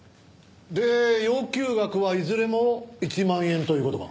で要求額はいずれも１万円という事か？